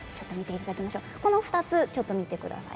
この２つちょっと見てください。